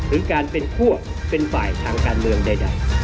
หรือการเป็นพวกเป็นฝ่ายทางการเมืองใด